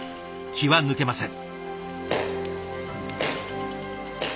気は抜けません。